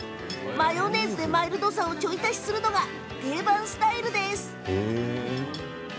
マヨネーズでマイルドさをちょい足しするのが定番のスタイルです。